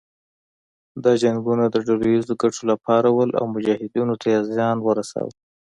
دا جنګونه د ډله ييزو ګټو لپاره وو او مجاهدینو ته يې زیان ورساوه.